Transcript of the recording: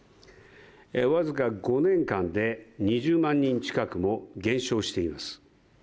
僅か５年間で２０万人近くも減少しています。